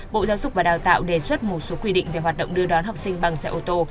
bộ giáo dục và đào tạo đề xuất một số quy định về hoạt động đưa đón học sinh bằng xe ô tô